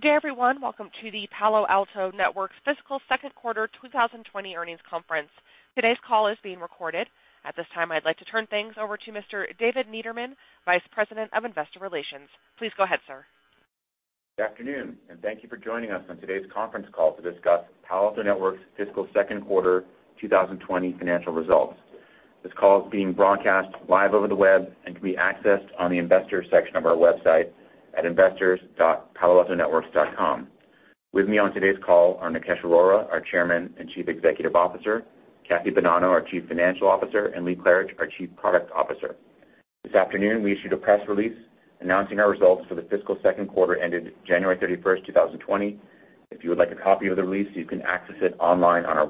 Good day, everyone. Welcome to the Palo Alto Networks fiscal second quarter 2020 earnings conference. Today's call is being recorded. At this time, I'd like to turn things over to Mr. David Niederman, Vice President of Investor Relations. Please go ahead, sir. Good afternoon, and thank you for joining us on today's conference call to discuss Palo Alto Networks' fiscal second quarter 2020 financial results. This call is being broadcast live over the web and can be accessed on the investors section of our website at investors.paloaltonetworks.com. With me on today's call are Nikesh Arora, our Chairman and Chief Executive Officer, Kathy Bonanno, our Chief Financial Officer, and Lee Klarich, our Chief Product Officer. This afternoon, we issued a press release announcing our results for the fiscal second quarter ended January 31st, 2020. If you would like a copy of the release, you can access it online on our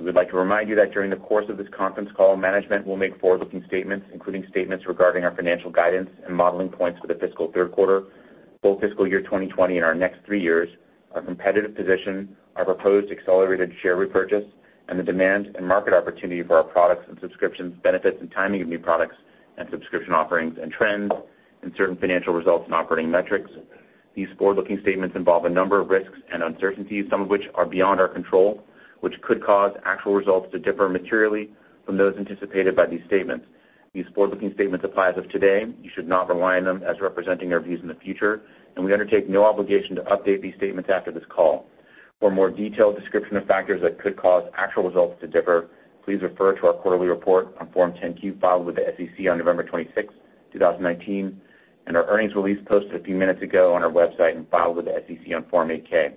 website. We would like to remind you that during the course of this conference call, management will make forward-looking statements, including statements regarding our financial guidance and modeling points for the fiscal third quarter, full fiscal year 2020, and our next three years, our competitive position, our proposed accelerated share repurchase, and the demand and market opportunity for our products and subscriptions, benefits and timing of new products and subscription offerings and trends, and certain financial results and operating metrics. These forward-looking statements involve a number of risks and uncertainties, some of which are beyond our control, which could cause actual results to differ materially from those anticipated by these statements. These forward-looking statements apply as of today. You should not rely on them as representing our views in the future, and we undertake no obligation to update these statements after this call. For a more detailed description of factors that could cause actual results to differ, please refer to our quarterly report on Form 10-Q filed with the SEC on November 26, 2019, and our earnings release posted a few minutes ago on our website and filed with the SEC on Form 8-K.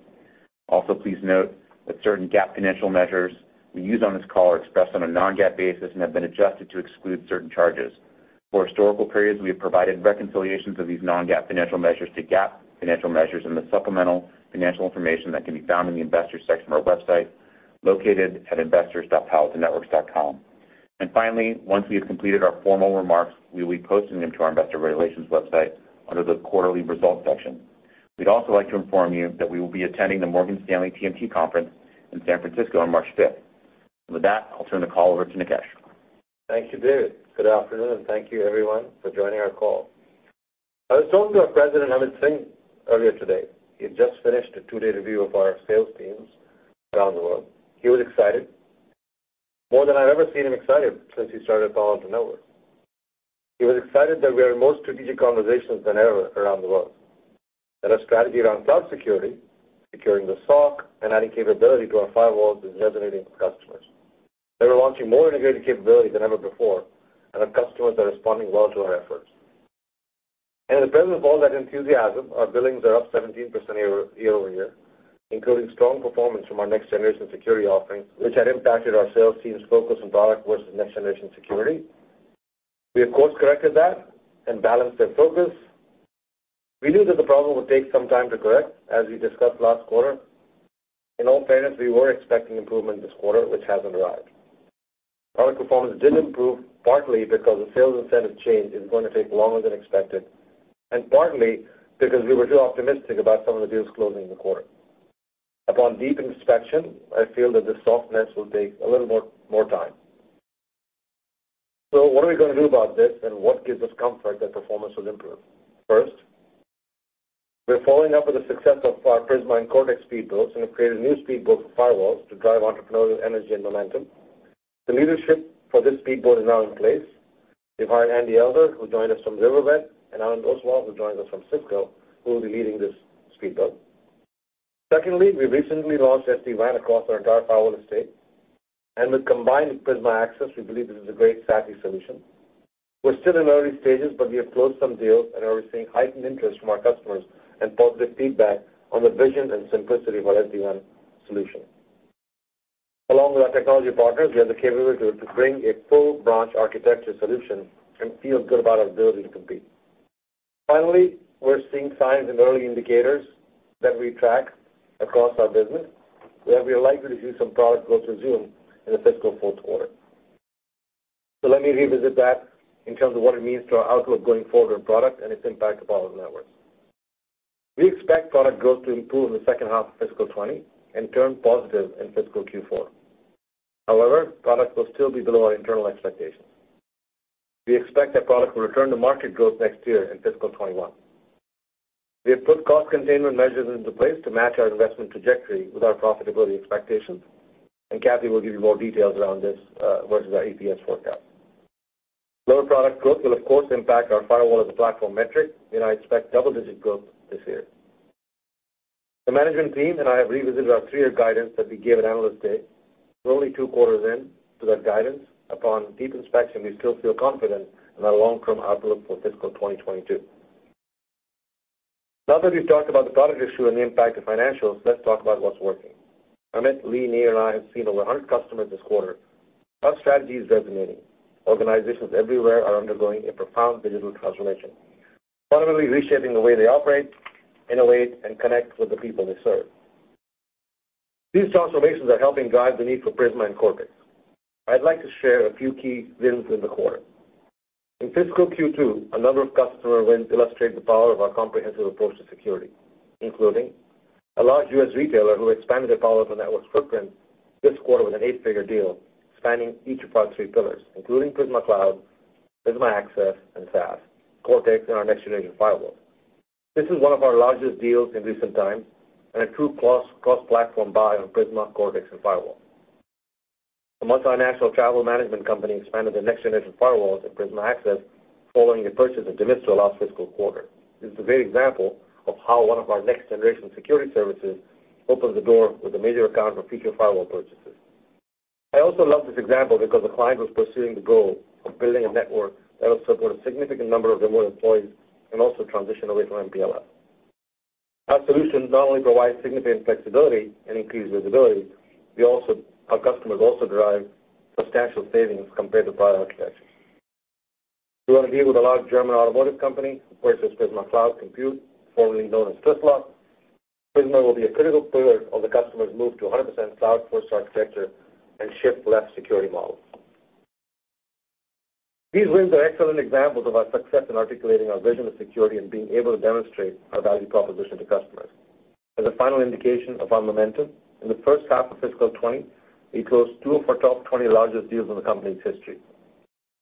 Also, please note that certain GAAP financial measures we use on this call are expressed on a non-GAAP basis and have been adjusted to exclude certain charges. For historical periods, we have provided reconciliations of these non-GAAP financial measures to GAAP financial measures in the supplemental financial information that can be found in the Investors section of our website, located at investors.paloaltonetworks.com. Finally, once we have completed our formal remarks, we will be posting them to our investor relations website under the Quarterly Results section. We'd also like to inform you that we will be attending the Morgan Stanley TMT Conference in San Francisco on March 5th. With that, I'll turn the call over to Nikesh. Thank you, David. Good afternoon, and thank you everyone for joining our call. I was talking to our President, Amit Singh, earlier today. He had just finished a two-day review of our sales teams around the world. He was excited, more than I've ever seen him excited since he started at Palo Alto Networks. He was excited that we are in more strategic conversations than ever around the world. That our strategy around cloud security, securing the SOC, and adding capability to our firewalls is resonating with customers. That we're launching more integrated capability than ever before, and our customers are responding well to our efforts. In the presence of all that enthusiasm, our billings are up 17% year-over-year, including strong performance from our next-generation security offerings, which had impacted our sales team's focus on product versus next-generation security. We have course-corrected that and balanced their focus. We knew that the problem would take some time to correct, as we discussed last quarter. In all fairness, we were expecting improvement this quarter, which hasn't arrived. Product performance didn't improve partly because the sales incentive change is going to take longer than expected, and partly because we were too optimistic about some of the deals closing in the quarter. Upon deep inspection, I feel that this softness will take a little more time. What are we going to do about this and what gives us comfort that performance will improve? First, we're following up with the success of our Prisma and Cortex speedboats and have created a new speedboat for firewalls to drive entrepreneurial energy and momentum. The leadership for this speedboat is now in place. We've hired Andy Elder, who joined us from Riverbed, and Anand Oswal, who joined us from Cisco, who will be leading this speedboat. Secondly, we recently launched SD-WAN across our entire firewall estate. With combined Prisma Access, we believe this is a great SASE solution. We're still in early stages, but we have closed some deals and are receiving heightened interest from our customers and positive feedback on the vision and simplicity of our SD-WAN solution. Along with our technology partners, we have the capability to bring a full branch architecture solution and feel good about our ability to compete. Finally, we're seeing signs in early indicators that we track across our business, where we are likely to see some product growth resume in the fiscal fourth quarter. Let me revisit that in terms of what it means to our outlook going forward on product and its impact to Palo Alto Networks. We expect product growth to improve in the second half of fiscal 2020 and turn positive in fiscal Q4. However, product will still be below our internal expectations. We expect that product will return to market growth next year in fiscal 2021. We have put cost containment measures into place to match our investment trajectory with our profitability expectations, and Kathy will give you more details around this versus our EPS forecast. Lower product growth will of course impact our firewall-as-a-platform metric, and I expect double-digit growth this year. The management team and I have revisited our three-year guidance that we gave at Analyst Day. We're only two quarters in to that guidance. Upon deep inspection, we still feel confident in our long-term outlook for fiscal 2022. We've talked about the product issue and the impact to financials, let's talk about what's working. Amit, Lee, Nir, and I have seen over 100 customers this quarter. Our strategy is resonating. Organizations everywhere are undergoing a profound digital transformation, fundamentally reshaping the way they operate, innovate, and connect with the people they serve. These transformations are helping drive the need for Prisma and Cortex. I'd like to share a few key wins in the quarter. In fiscal Q2, a number of customer wins illustrate the power of our comprehensive approach to security, including a large U.S. retailer who expanded their Palo Alto Networks footprint this quarter with an eight-figure deal spanning each of our three pillars, including Prisma Cloud, Prisma Access and SaaS, Cortex, and our Next-Generation Firewall. This is one of our largest deals in recent times and a true cross-platform buy on Prisma, Cortex, and Firewall. A multinational travel management company expanded their Next-Generation Firewalls and Prisma Access following the purchase of Demisto last fiscal quarter. This is a great example of how one of our next-generation security services opened the door with a major account for future firewall purchases. I also love this example because the client was pursuing the goal of building a network that would support a significant number of remote employees and also transition away from MPLS. Our solution not only provides significant flexibility and increased visibility, our customers also derive substantial savings compared to prior architectures. We won a deal with a large German automotive company, which uses Prisma Cloud Compute, formerly known as Twistlock. Prisma will be a critical pillar of the customer's move to 100% cloud-first architecture and shift-left security models. These wins are excellent examples of our success in articulating our vision of security and being able to demonstrate our value proposition to customers. As a final indication of our momentum, in the first half of fiscal 2020, we closed two of our top 20 largest deals in the company's history.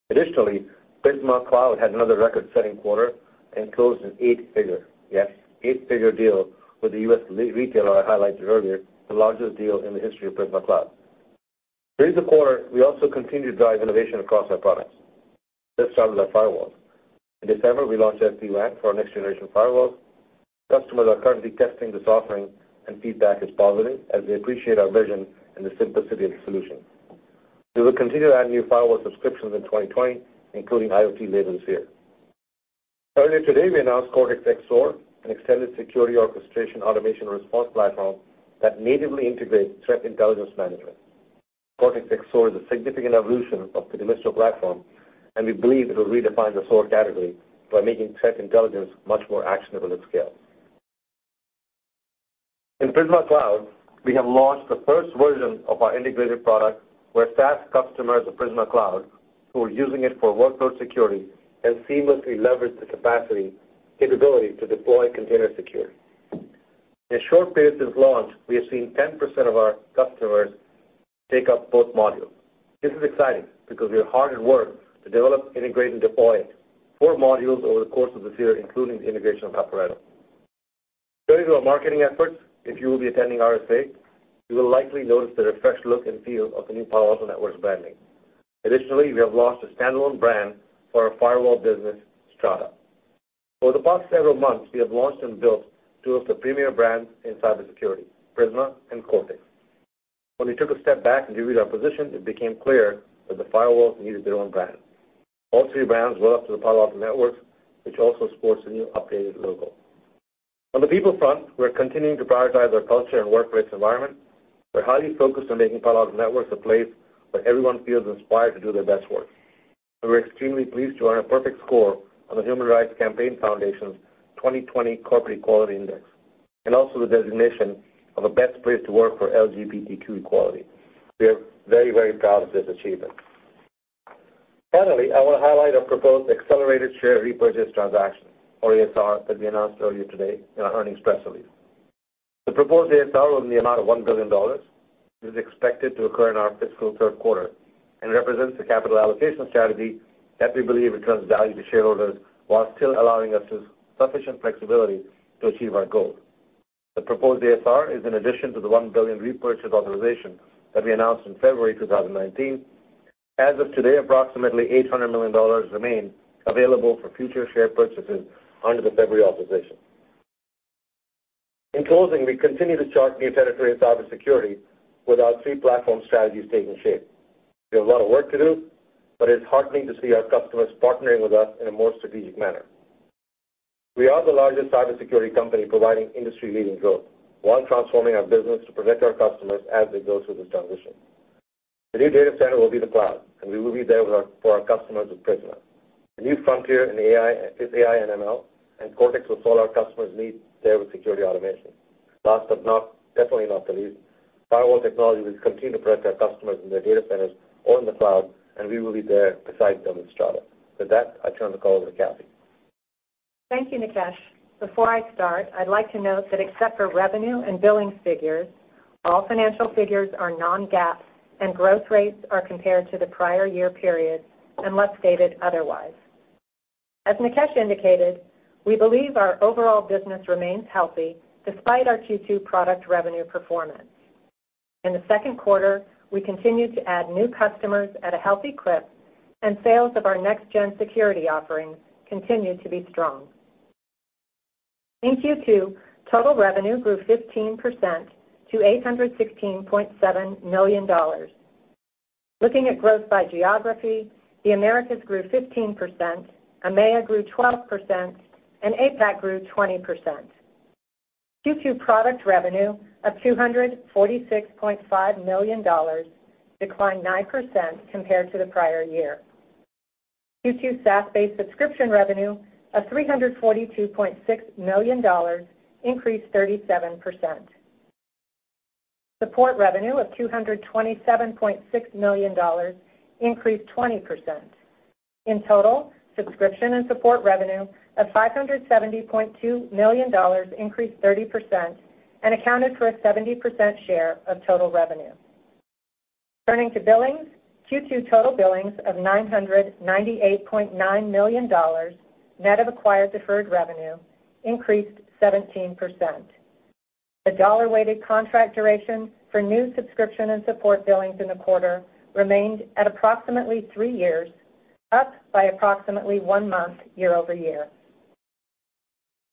Additionally, Prisma Cloud had another record-setting quarter and closed an eight-figure, yes, eight-figure deal with the U.S. retailer I highlighted earlier, the largest deal in the history of Prisma Cloud. During the quarter, we also continued to drive innovation across our products. Let's start with our firewall. In December, we launched SD-WAN for our Next-Generation Firewall. Customers are currently testing this offering, and feedback is positive as they appreciate our vision and the simplicity of the solution. We will continue to add new firewall subscriptions in 2020, including IoT later this year. Earlier today, we announced Cortex XSOAR, an Extended Security Orchestration Automation Response platform that natively integrates threat intelligence management. Cortex XSOAR is a significant evolution of the Demisto platform, and we believe it will redefine the XSOAR category by making threat intelligence much more actionable at scale. In Prisma Cloud, we have launched the first version of our integrated product, where SaaS customers of Prisma Cloud who are using it for workload security can seamlessly leverage the capacity, capability to deploy container security. In the short period since launch, we have seen 10% of our customers take up both modules. This is exciting because we are hard at work to develop, integrate, and deploy four modules over the course of this year, including the integration of Aporeto. Turning to our marketing efforts, if you will be attending RSA, you will likely notice that a fresh look and feel of the new Palo Alto Networks branding. Additionally, we have launched a standalone brand for our firewall business, Strata. Over the past several months, we have launched and built two of the premier brands in cybersecurity, Prisma and Cortex. When we took a step back and reviewed our position, it became clear that the firewalls needed their own brand. All three brands roll up to the Palo Alto Networks, which also sports a new updated logo. On the people front, we're continuing to prioritize our culture and workplace environment. We're highly focused on making Palo Alto Networks a place where everyone feels inspired to do their best work. We were extremely pleased to earn a perfect score on the Human Rights Campaign Foundation's 2020 Corporate Equality Index, and also the designation of a Best Place to Work for LGBTQ Equality. We are very proud of this achievement. Finally, I want to highlight our proposed accelerated share repurchase transaction, or ASR, that we announced earlier today in our earnings press release. The proposed ASR in the amount of $1 billion is expected to occur in our fiscal third quarter and represents the capital allocation strategy that we believe returns value to shareholders while still allowing us sufficient flexibility to achieve our goals. The proposed ASR is in addition to the $1 billion repurchase authorization that we announced in February 2019. As of today, approximately $800 million remain available for future share purchases under the February authorization. In closing, we continue to chart new territory in cybersecurity with our three-platform strategies taking shape. We have a lot of work to do, but it's heartening to see our customers partnering with us in a more strategic manner. We are the largest cybersecurity company providing industry-leading growth while transforming our business to protect our customers as they go through this transition. The new data center will be the cloud, and we will be there for our customers with Prisma. The new frontier is AI and ML, and Cortex will solve our customers' needs there with security automation. Last, but definitely not the least, firewall technology will continue to protect our customers in their data centers or in the cloud, and we will be there beside them with Strata. With that, I turn the call over to Kathy. Thank you, Nikesh. Before I start, I'd like to note that except for revenue and billings figures, all financial figures are non-GAAP, and growth rates are compared to the prior year period unless stated otherwise. As Nikesh indicated, we believe our overall business remains healthy despite our Q2 product revenue performance. In the second quarter, we continued to add new customers at a healthy clip, and sales of our next-gen security offerings continued to be strong. In Q2, total revenue grew 15% to $816.7 million. Looking at growth by geography, the Americas grew 15%, EMEA grew 12%, and APAC grew 20%. Q2 product revenue of $246.5 million declined 9% compared to the prior year. Q2 SaaS-based subscription revenue of $342.6 million increased 37%. Support revenue of $227.6 million increased 20%. In total, subscription and support revenue of $570.2 million increased 30% and accounted for a 70% share of total revenue. Turning to billings, Q2 total billings of $998.9 million, net of acquired deferred revenue, increased 17%. The dollar-weighted contract duration for new subscription and support billings in the quarter remained at approximately three years, up by approximately one month year-over-year.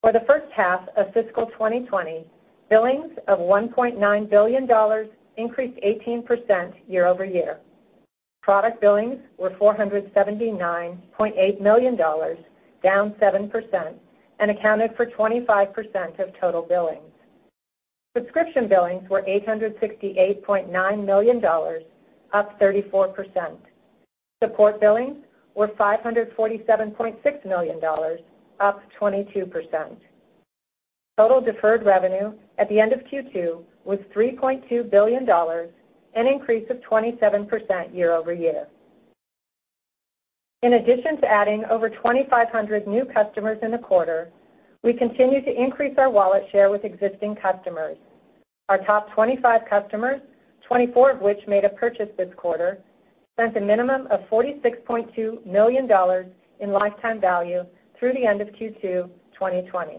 For the first half of fiscal 2020, billings of $1.9 billion increased 18% year-over-year. Product billings were $479.8 million, down 7%, and accounted for 25% of total billings. Subscription billings were $868.9 million, up 34%. Support billings were $547.6 million, up 22%. Total deferred revenue at the end of Q2 was $3.2 billion, an increase of 27% year-over-year. In addition to adding over 2,500 new customers in the quarter, we continue to increase our wallet share with existing customers. Our top 25 customers, 24 of which made a purchase this quarter, spent a minimum of $46.2 million in lifetime value through the end of Q2 2020.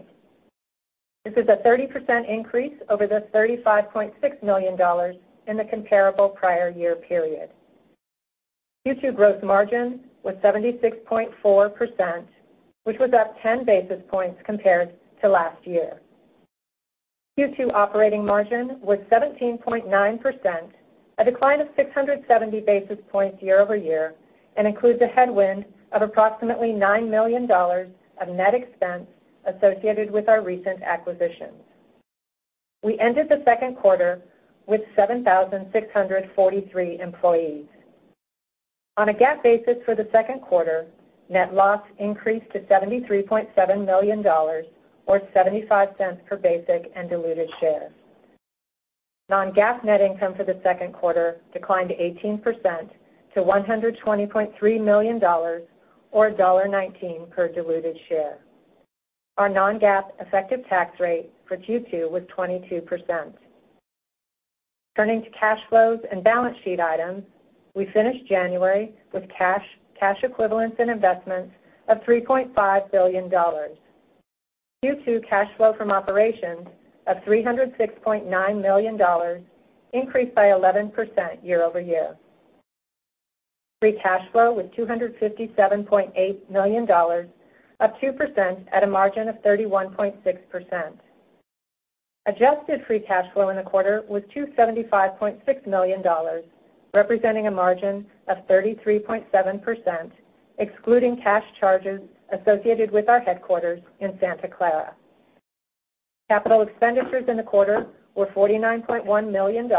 This is a 30% increase over the $35.6 million in the comparable prior year period. Q2 gross margin was 76.4%, which was up 10 basis points compared to last year. Q2 operating margin was 17.9%, a decline of 670 basis points year-over-year, and includes a headwind of approximately $9 million of net expense associated with our recent acquisitions. We ended the second quarter with 7,643 employees. On a GAAP basis for the second quarter, net loss increased to $73.7 million or $0.75 per basic and diluted share. Non-GAAP net income for the second quarter declined 18% to $120.3 million or $1.19 per diluted share. Our non-GAAP effective tax rate for Q2 was 22%. Turning to cash flows and balance sheet items, we finished January with cash equivalents and investments of $3.5 billion. Q2 cash flow from operations of $306.9 million increased by 11% year-over-year. Free cash flow was $257.8 million, up 2% at a margin of 31.6%. Adjusted free cash flow in the quarter was $275.6 million, representing a margin of 33.7%, excluding cash charges associated with our headquarters in Santa Clara. Capital expenditures in the quarter were $49.1 million,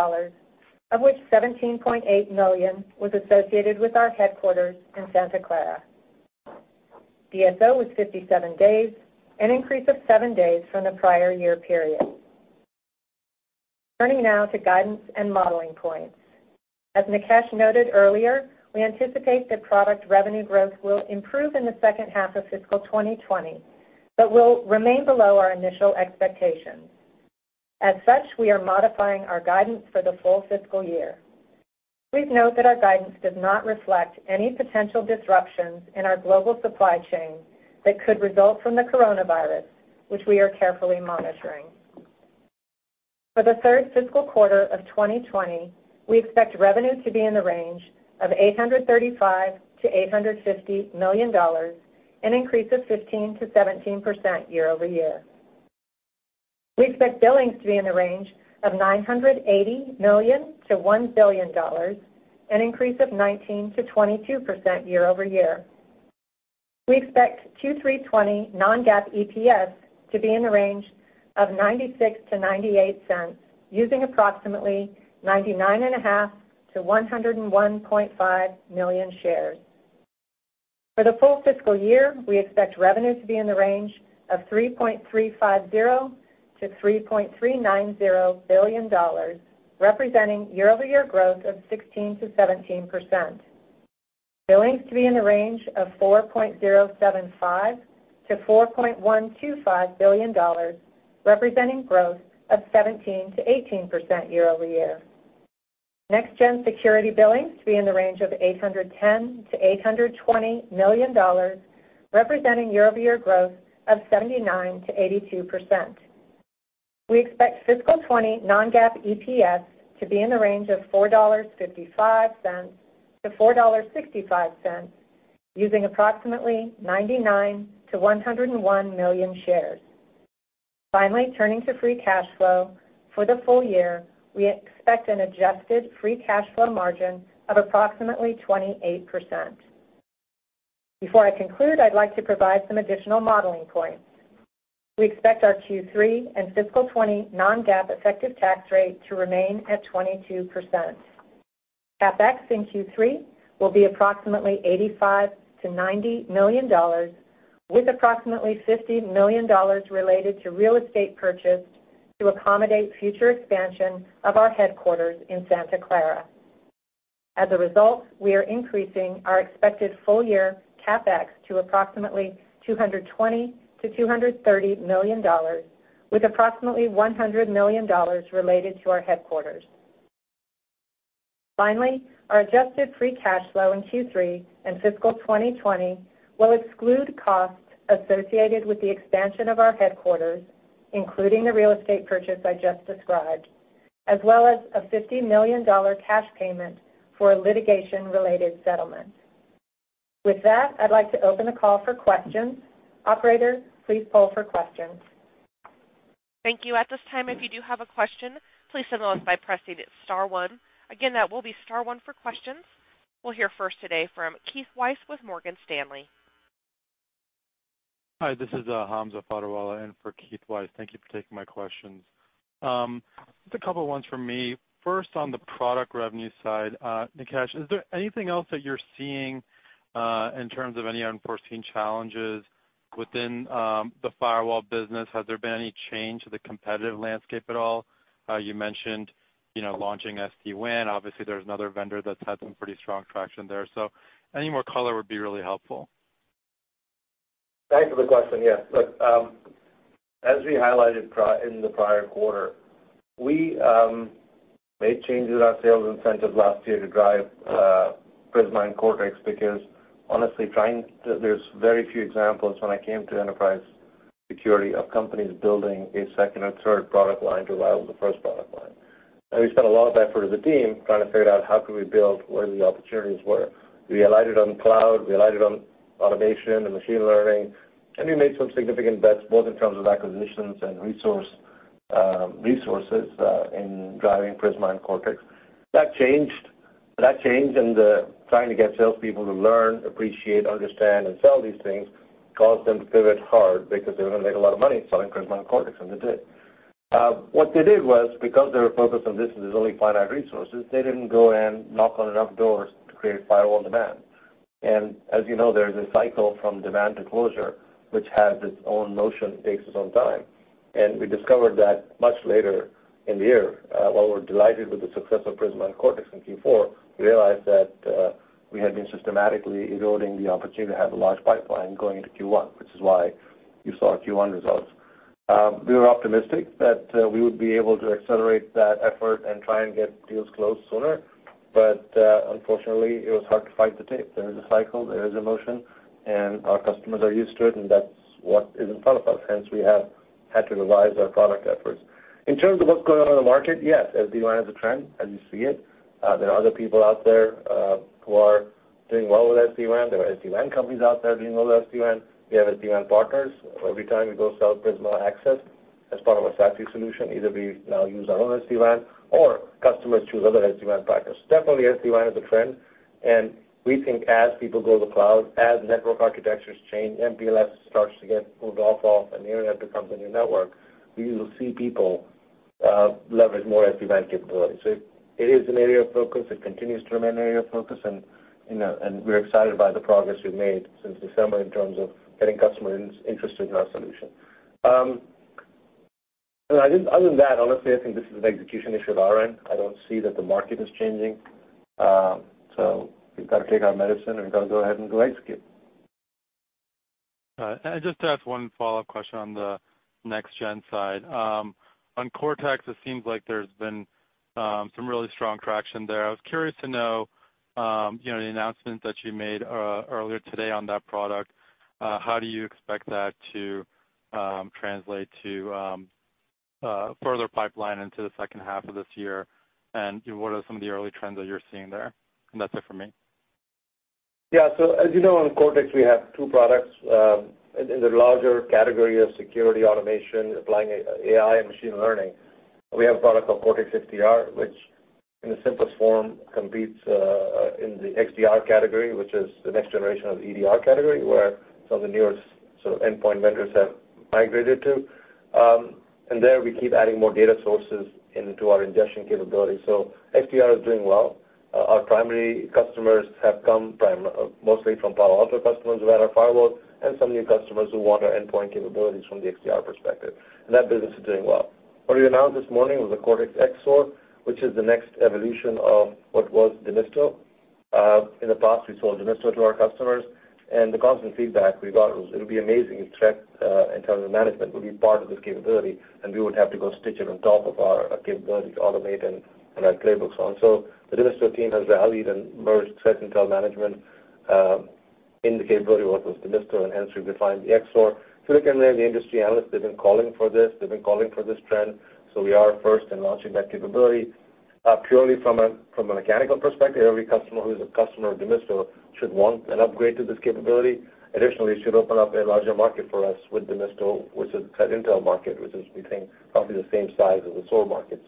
of which $17.8 million was associated with our headquarters in Santa Clara. DSO was 57 days, an increase of seven days from the prior year period. Turning now to guidance and modeling points. As Nikesh noted earlier, we anticipate that product revenue growth will improve in the second half of fiscal 2020, but will remain below our initial expectations. As such, we are modifying our guidance for the full fiscal year. Please note that our guidance does not reflect any potential disruptions in our global supply chain that could result from the coronavirus, which we are carefully monitoring. For the third fiscal quarter of 2020, we expect revenue to be in the range of $835 million-$850 million, an increase of 15%-17% year-over-year. We expect billings to be in the range of $980 million-$1 billion, an increase of 19%-22% year-over-year. We expect Q3 2020 non-GAAP EPS to be in the range of $0.96-$0.98, using approximately 99.5 million-101.5 million shares. For the full fiscal year, we expect revenue to be in the range of $3.350 billion-$3.390 billion, representing year-over-year growth of 16%-17%. Billings to be in the range of $4.075 billion-$4.125 billion, representing growth of 17%-18% year-over-year. Next-gen security billings to be in the range of $810 million-$820 million, representing year-over-year growth of 79%-82%. We expect fiscal 2020 non-GAAP EPS to be in the range of $4.55-$4.65, using approximately 99 million-101 million shares. Finally, turning to free cash flow. For the full year, we expect an adjusted free cash flow margin of approximately 28%. Before I conclude, I'd like to provide some additional modeling points. We expect our Q3 and fiscal 2020 non-GAAP effective tax rate to remain at 22%. CapEx in Q3 will be approximately $85 million-$90 million, with approximately $50 million related to real estate purchase to accommodate future expansion of our headquarters in Santa Clara. As a result, we are increasing our expected full-year CapEx to approximately $220 million-$230 million, with approximately $100 million related to our headquarters. Finally, our adjusted free cash flow in Q3 and fiscal 2020 will exclude costs associated with the expansion of our headquarters, including the real estate purchase I just described, as well as a $50 million cash payment for a litigation-related settlement. With that, I'd like to open the call for questions. Operator, please poll for questions. Thank you. At this time, if you do have a question, please signal us by pressing star one. Again, that will be star one for questions. We'll hear first today from Keith Weiss with Morgan Stanley. Hi, this is Hamza Fodderwala in for Keith Weiss. Thank you for taking my questions. Just a couple ones from me. First, on the product revenue side, Nikesh, is there anything else that you're seeing, in terms of any unforeseen challenges within the firewall business? Has there been any change to the competitive landscape at all? You mentioned launching SD-WAN. Obviously, there's another vendor that's had some pretty strong traction there, so any more color would be really helpful. Thanks for the question. Yes. Look, as we highlighted in the prior quarter, we made changes in our sales incentives last year to drive Prisma and Cortex because honestly, there's very few examples when I came to enterprise security of companies building a second or third product line to rival the first product line. We spent a lot of effort as a team trying to figure out how could we build where the opportunities were. We alighted on cloud, we alighted on automation and machine learning, and we made some significant bets, both in terms of acquisitions and resources, in driving Prisma and Cortex. That changed, and trying to get salespeople to learn, appreciate, understand, and sell these things caused them to pivot hard because they were going to make a lot of money selling Prisma and Cortex, and they did. What they did was, because they were focused on this and there's only finite resources, they didn't go and knock on enough doors to create firewall demand. As you know, there is a cycle from demand to closure, which has its own motion, takes its own time. We discovered that much later in the year. While we're delighted with the success of Prisma and Cortex in Q4, we realized that we had been systematically eroding the opportunity to have a large pipeline going into Q1, which is why you saw Q1 results. We were optimistic that we would be able to accelerate that effort and try and get deals closed sooner. Unfortunately, it was hard to fight the tape. There is a cycle, there is a motion, and our customers are used to it, and that's what is in front of us. We have had to revise our product efforts. In terms of what's going on in the market, yes, SD-WAN is a trend as you see it. There are other people out there who are doing well with SD-WAN. There are SD-WAN companies out there doing well with SD-WAN. We have SD-WAN partners. Every time we go sell Prisma Access as part of a SASE solution, either we now use our own SD-WAN or customers choose other SD-WAN partners. Definitely, SD-WAN is a trend, and we think as people go to the cloud, as network architectures change, MPLS starts to get pulled off, and the Internet becomes a new network, we will see people leverage more SD-WAN capabilities. It is an area of focus. It continues to remain an area of focus, and we're excited by the progress we've made since December in terms of getting customers interested in our solution. Other than that, honestly, I think this is an execution issue at our end. I don't see that the market is changing. We've got to take our medicine and we've got to go ahead and go execute. All right. Just to ask one follow-up question on the next-gen side. On Cortex, it seems like there's been some really strong traction there. I was curious to know, the announcement that you made earlier today on that product, how do you expect that to translate to further pipeline into the second half of this year? What are some of the early trends that you're seeing there? That's it for me. Yeah. As you know, on Cortex, we have two products. In the larger category of security automation, applying AI and machine learning, we have a product called Cortex XDR, which in the simplest form, competes in the XDR category, which is the next generation of EDR category, where some of the newer endpoint vendors have migrated to. There, we keep adding more data sources into our ingestion capability. XDR is doing well. Our primary customers have come mostly from Palo Alto customers who had our firewalls and some new customers who want our endpoint capabilities from the XDR perspective. That business is doing well. What we announced this morning was the Cortex XSOAR, which is the next evolution of what was Demisto. In the past, we sold Demisto to our customers, and the constant feedback we got was, it'll be amazing if threat intel management will be part of this capability, and we would have to go stitch it on top of our capability to automate and write playbooks on. The Demisto team has rallied and merged threat intel management in the capability what was Demisto, and hence we've defined the XSOAR. SiliconANGLE, the industry analysts, they've been calling for this. They've been calling for this trend. We are first in launching that capability. Purely from a mechanical perspective, every customer who is a customer of Demisto should want an upgrade to this capability. Additionally, it should open up a larger market for us with Demisto, which is threat intel market, which is, we think, probably the same size as the SOAR market.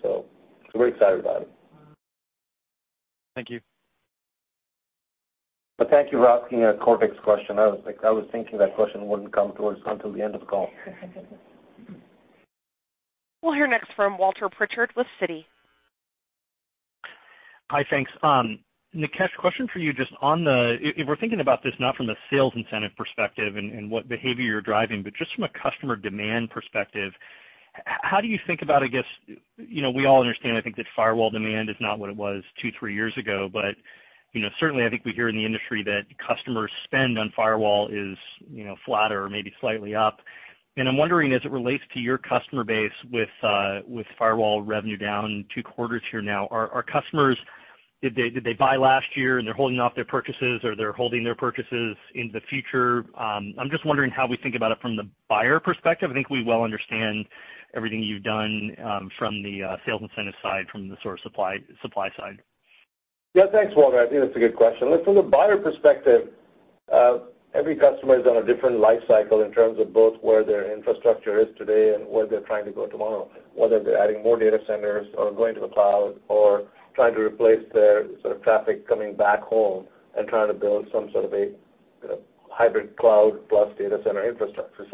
We're excited about it. Thank you. Thank you for asking a Cortex question. I was thinking that question wouldn't come to us until the end of the call. We'll hear next from Walter Pritchard with Citi. Hi. Thanks. Nikesh, question for you, if we're thinking about this not from the sales incentive perspective and what behavior you're driving, but just from a customer demand perspective. How do you think about, I guess, we all understand, I think, that firewall demand is not what it was two, three years ago. Certainly, I think we hear in the industry that customers spend on firewall is flatter or maybe slightly up. I'm wondering, as it relates to your customer base with firewall revenue down two quarters here now, are customers, did they buy last year and they're holding off their purchases, or they're holding their purchases in the future? I'm just wondering how we think about it from the buyer perspective. I think we well understand everything you've done from the sales incentive side, from the sort of supply side. Thanks, Walter. I think that's a good question. Look, from the buyer perspective, every customer is on a different life cycle in terms of both where their infrastructure is today and where they're trying to go tomorrow, whether they're adding more data centers or going to the cloud or trying to replace their sort of traffic coming back home and trying to build some sort of a hybrid cloud plus data center infrastructure.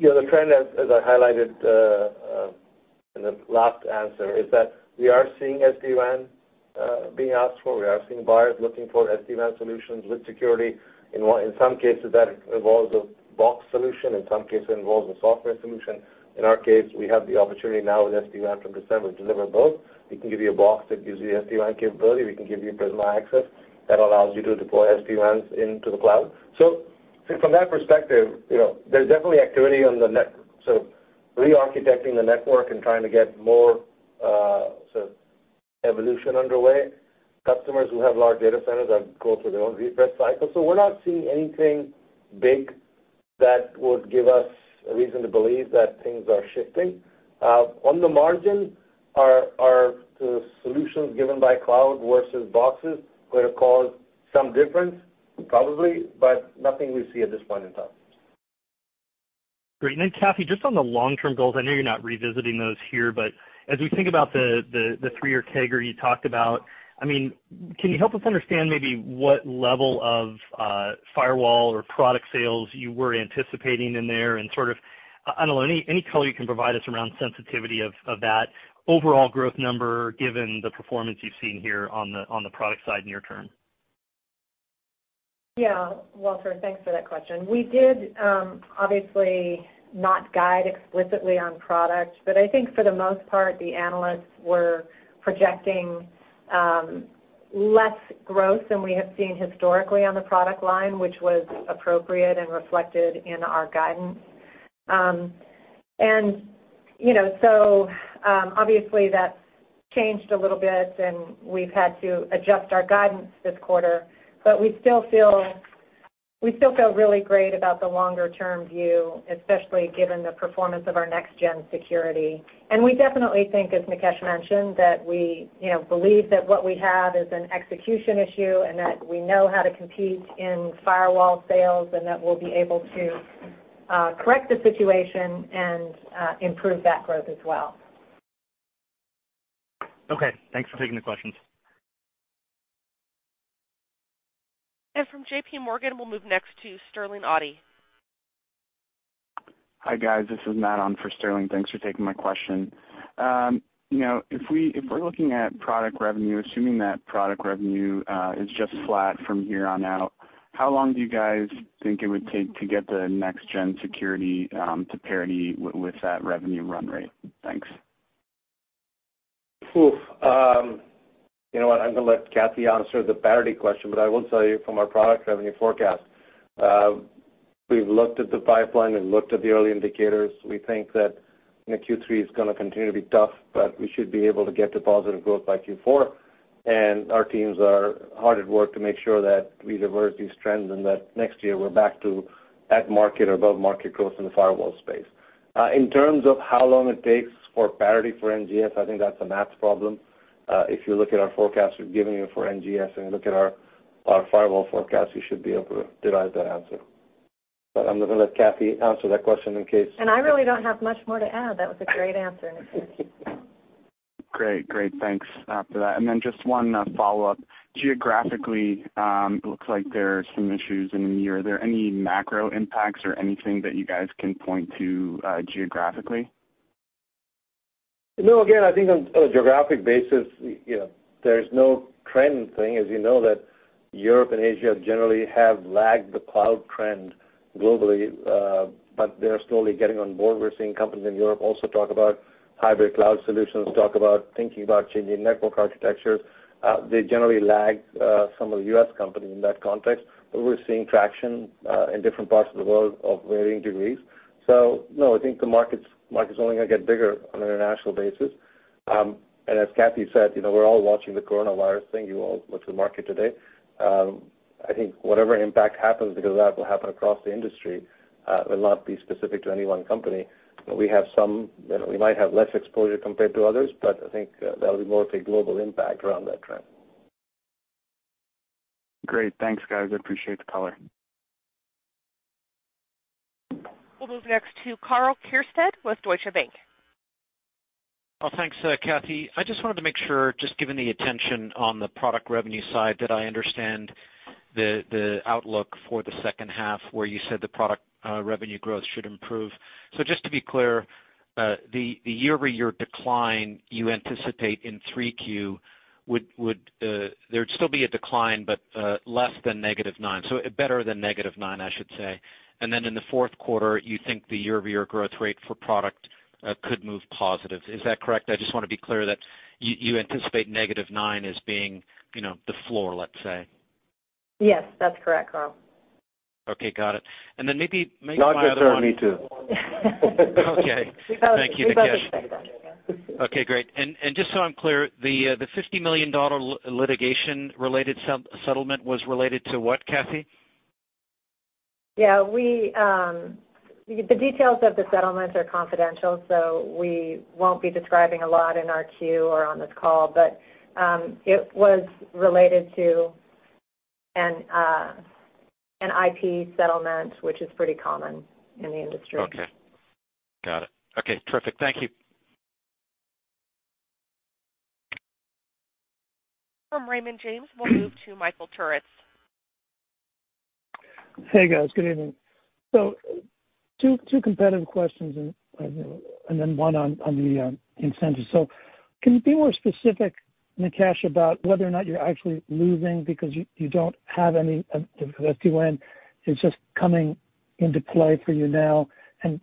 The trend, as I highlighted in the last answer, is that we are seeing SD-WAN being asked for. We are seeing buyers looking for SD-WAN solutions with security. In some cases, that involves a box solution. In some cases, it involves a software solution. In our case, we have the opportunity now with SD-WAN from December to deliver both. We can give you a box that gives you SD-WAN capability. We can give you Prisma Access that allows you to deploy SD-WANs into the cloud. From that perspective, there's definitely activity on the net. Re-architecting the network and trying to get more evolution underway. Customers who have large data centers are going through their own refresh cycle. We're not seeing anything big that would give us a reason to believe that things are shifting. On the margin, are solutions given by cloud versus boxes going to cause some difference? Probably, but nothing we see at this point in time. Great. Kathy, just on the long-term goals, I know you're not revisiting those here. As we think about the three-year CAGR you talked about, can you help us understand maybe what level of firewall or product sales you were anticipating in there and sort of, I don't know, any color you can provide us around sensitivity of that overall growth number, given the performance you've seen here on the product side near-term? Walter, thanks for that question. We did obviously not guide explicitly on product, but I think for the most part, the analysts were projecting less growth than we have seen historically on the product line, which was appropriate and reflected in our guidance. Obviously, that's changed a little bit, and we've had to adjust our guidance this quarter. We still feel really great about the longer-term view, especially given the performance of our next-gen security. We definitely think, as Nikesh mentioned, that we believe that what we have is an execution issue and that we know how to compete in firewall sales and that we'll be able to correct the situation and improve that growth as well. Okay. Thanks for taking the questions. From JPMorgan, we'll move next to Sterling Auty. Hi, guys. This is Matt on for Sterling. Thanks for taking my question. If we're looking at product revenue, assuming that product revenue is just flat from here on out, how long do you guys think it would take to get the next-gen security to parity with that revenue run rate? Thanks. You know what? I am going to let Kathy answer the parity question. I will tell you from our product revenue forecast, we've looked at the pipeline and looked at the early indicators. We think that Q3 is going to continue to be tough. We should be able to get to positive growth by Q4. Our teams are hard at work to make sure that we reverse these trends and that next year we're back to at market or above market growth in the firewall space. In terms of how long it takes for parity for NGS, I think that's a math problem. If you look at our forecast we've given you for NGS and you look at our firewall forecast, you should be able to derive that answer. I am going to let Kathy answer that question in case. I really don't have much more to add. That was a great answer, Nikesh. Great. Thanks for that. Just one follow-up. Geographically, looks like there are some issues in the year. Are there any macro impacts or anything that you guys can point to geographically? Again, I think on a geographic basis, there's no trend thing. As you know, that Europe and Asia generally have lagged the cloud trend globally, but they're slowly getting on board. We're seeing companies in Europe also talk about hybrid cloud solutions, talk about thinking about changing network architectures. They generally lag some of the U.S. companies in that context, but we're seeing traction in different parts of the world of varying degrees. No, I think the market's only going to get bigger on an international basis. As Kathy said, we're all watching the coronavirus thing. You all watched the market today. I think whatever impact happens because of that will happen across the industry. It will not be specific to any one company. We might have less exposure compared to others, but I think that'll be more of a global impact around that trend. Great. Thanks, guys. I appreciate the color. We'll move next to Karl Keirstead with Deutsche Bank. Thanks, Kathy. I just wanted to make sure, just given the attention on the product revenue side, that I understand the outlook for the second half where you said the product revenue growth should improve. Just to be clear. The year-over-year decline you anticipate in 3Q, there'd still be a decline, but less than -9%. Better than -9%, I should say. In the fourth quarter, you think the year-over-year growth rate for product could move positive. Is that correct? I just want to be clear that you anticipate -9% as being the floor, let's say. Yes, that's correct, Karl. Okay. Got it. Not just on me too. Okay. Thank you. We both said that. Okay, great. Just so I'm clear, the $50 million litigation related settlement was related to what, Kathy? Yeah. The details of the settlement are confidential, so we won't be describing a lot in our Q or on this call, but it was related to an IP settlement, which is pretty common in the industry. Okay. Got it. Okay, terrific. Thank you. From Raymond James, we'll move to Michael Turits. Hey, guys. Good evening. Two competitive questions and then one on the incentives. Can you be more specific, Nikesh, about whether or not you're actually losing because you don't have any SD-WAN? It's just coming into play for you now.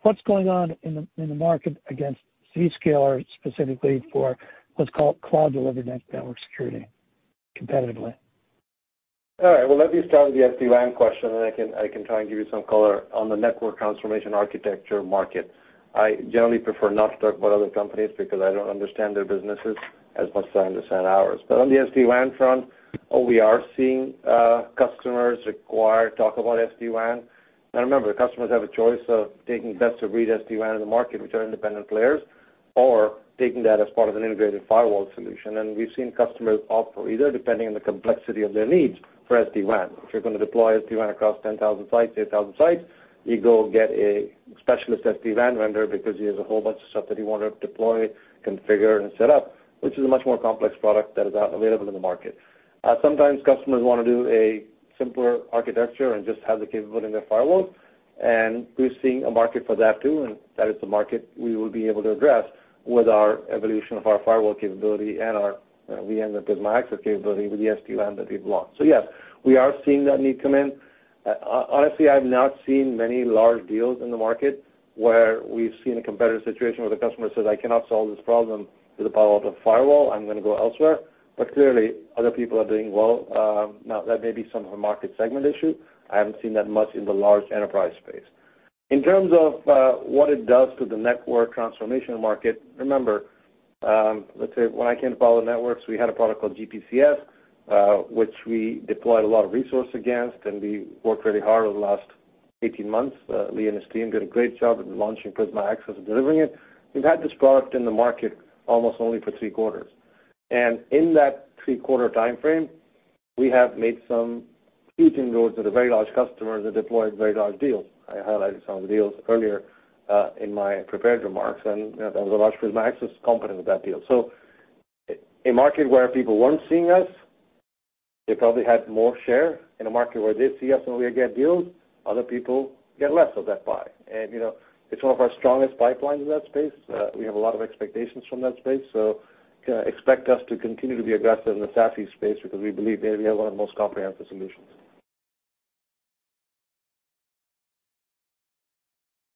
What's going on in the market against Zscaler specifically for what's called cloud delivered network security competitively? All right. Well, let me start with the SD-WAN question. I can try and give you some color on the network transformation architecture market. I generally prefer not to talk about other companies because I don't understand their businesses as much as I understand ours. On the SD-WAN front, we are seeing customers require talk about SD-WAN. Now remember, the customers have a choice of taking best of breed SD-WAN in the market, which are independent players, or taking that as part of an integrated firewall solution. We've seen customers opt for either, depending on the complexity of their needs for SD-WAN. If you're going to deploy SD-WAN across 10,000 sites, 8,000 sites, you go get a specialist SD-WAN vendor because he want to deploy, configure, and set up, which is a much more complex product that is available in the market. Sometimes customers want to do a simpler architecture and just have the capability in their firewall, and we're seeing a market for that too, and that is the market we will be able to address with our evolution of our firewall capability and our VM with Prisma Access capability with the SD-WAN that we've launched. Yes, we are seeing that need come in. Honestly, I've not seen many large deals in the market where we've seen a competitive situation where the customer says, "I cannot solve this problem with the power of the firewall. I'm going to go elsewhere." Clearly, other people are doing well. Now, that may be some of a market segment issue. I haven't seen that much in the large enterprise space. In terms of what it does to the network transformation market, remember, let's say when I came to Palo Alto Networks, we had a product called GPCS, which we deployed a lot of resource against, and we worked really hard over the last 18 months. Lee and his team did a great job of launching Prisma Access and delivering it. We've had this product in the market almost only for three quarters. In that three-quarter time frame, we have made some huge inroads with a very large customer that deployed very large deals. I highlighted some of the deals earlier in my prepared remarks, there was a large Prisma Access component of that deal. A market where people weren't seeing us, they probably had more share. In a market where they see us and we get deals, other people get less of that pie. It's one of our strongest pipelines in that space. We have a lot of expectations from that space. Expect us to continue to be aggressive in the SASE space because we believe we have one of the most comprehensive solutions.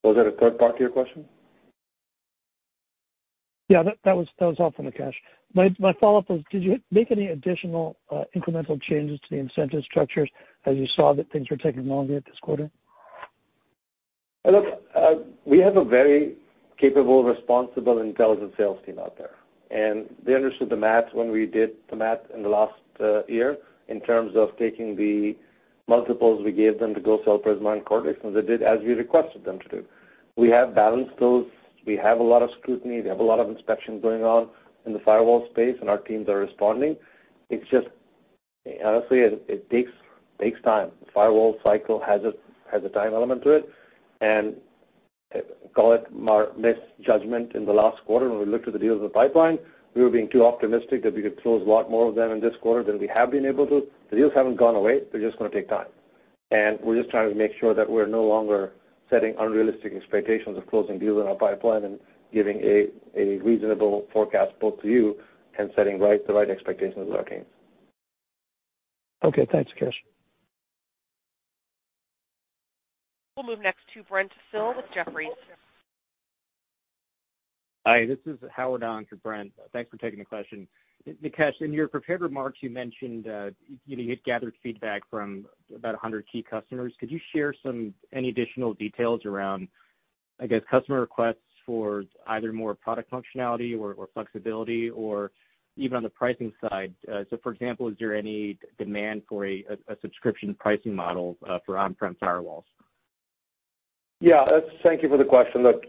Was there a third part to your question? Yeah, that was all for Nikesh. My follow-up was, did you make any additional incremental changes to the incentive structures as you saw that things were taking longer this quarter? Look, we have a very capable, responsible, intelligent sales team out there, and they understood the math when we did the math in the last year in terms of taking the multiples we gave them to go sell Prisma and Cortex, and they did as we requested them to do. We have balanced those. We have a lot of scrutiny. We have a lot of inspection going on in the firewall space, and our teams are responding. It's just, honestly, it takes time. The firewall cycle has a time element to it, and call it misjudgment in the last quarter when we looked at the deals in the pipeline, we were being too optimistic that we could close a lot more of them in this quarter than we have been able to. The deals haven't gone away. They're just going to take time. We're just trying to make sure that we're no longer setting unrealistic expectations of closing deals in our pipeline and giving a reasonable forecast both to you and setting the right expectations with our teams. Okay. Thanks, Nikesh. We'll move next to Brent Thill with Jefferies. Hi, this is Howard on for Brent. Thanks for taking the question. Nikesh, in your prepared remarks, you mentioned you'd gathered feedback from about 100 key customers. Could you share any additional details around, I guess, customer requests for either more product functionality or flexibility or even on the pricing side? For example, is there any demand for a subscription pricing model for on-prem firewalls? Yeah. Thank you for the question. Look,